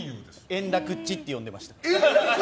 円楽っちって呼んでました。